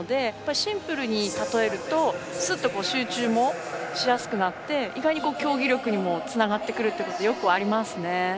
シンプルにたとえるとスッと集中もしやすくなって意外に競技力にもつながってくることがよくありますね。